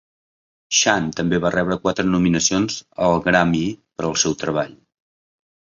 Shand també va rebre quatre nominacions al Grammy pel seu treball.